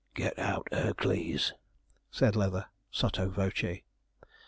'Get out Ercles,' said Leather, sotto voce.